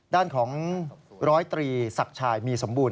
ด้านของ๑๐๓สักชายมีสมบูรณ์